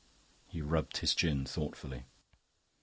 He rubbed his chin thoughtfully.